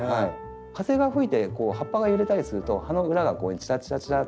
風が吹いて葉っぱが揺れたりすると葉の裏がチラチラチラッと。